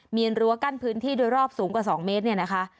มีรั้วกั้นพื้นที่โดยรอบสูงกว่า๒เมตร